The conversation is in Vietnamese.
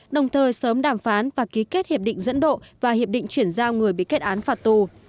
đồng thời sớm đàm phán và ký kết hiệp định dẫn độ và hiệp định chuyển giao người bị kết án phạt tù